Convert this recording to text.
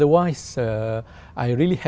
và bình tĩnh